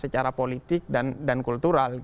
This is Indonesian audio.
secara politik dan kultural